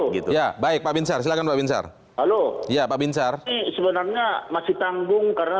gitu ya baik pak binsar silakan pak binsar halo ya pak binsar sebenarnya masih tanggung karena